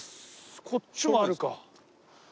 こっちもあるか。